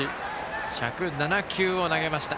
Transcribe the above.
１０７球を投げました。